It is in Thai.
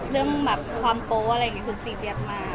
เรื่องแบบความโป๊ะอะไรอย่างนี้คุณซีเรียสมาก